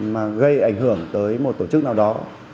mà gây ảnh hưởng tới một tổ chức nào đó